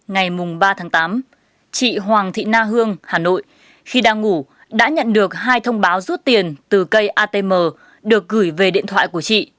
ngày ba tháng tám chị hoàng thị na hương hà nội khi đang ngủ đã nhận được hai thông báo rút tiền từ cây atm được gửi về điện thoại của chị